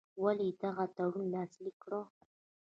ولي یې دغه تړون لاسلیک کړ.